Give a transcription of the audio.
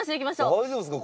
大丈夫ですか？